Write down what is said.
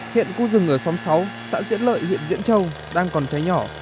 hiện khu rừng ở xóm sáu xã diễn lợi huyện diễn châu đang còn cháy nhỏ